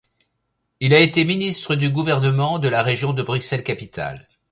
Il a été ministre du gouvernement de la Région de Bruxelles-Capitale.